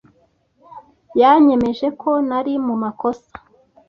Yanyemeje ko nari mu makosa.